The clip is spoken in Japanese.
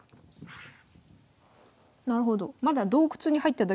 なるほど。